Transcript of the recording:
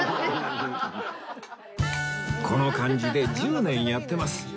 この感じで１０年やってます